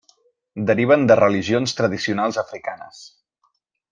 Deriven de religions tradicionals africanes.